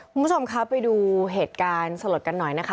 คุณผู้ชมคะไปดูเหตุการณ์สลดกันหน่อยนะคะ